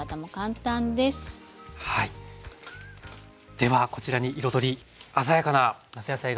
ではこちらに彩り鮮やかな夏野菜がいますね。